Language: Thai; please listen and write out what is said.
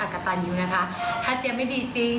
ก็อยู่กับพี่